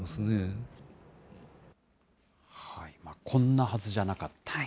こんなはずじゃなかった。